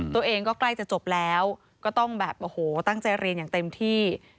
ใกล้จะจบแล้วก็ต้องแบบโอ้โหตั้งใจเรียนอย่างเต็มที่